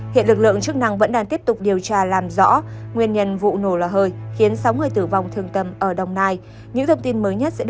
hiện lực lượng chức năng vẫn đang tiếp tục điều tra làm rõ nguyên nhân vụ nổ lò hơi khiến sáu người tử vong thường tâm ở đồng nai